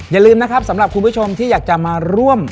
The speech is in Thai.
อย่าลืมนะครับสำหรับคุณผู้ชมที่อยากจะมาร่วม